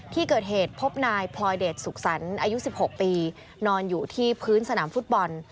ที่เกิดเหตุพบนายพลอยเดชสุขสรรค์อายุ๑๖ปีนอนอยู่ที่พื้นสนามฟุตบอล